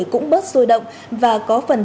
cũng bớt sôi động và có phần